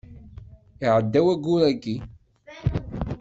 Iɛedda wayyur yagi.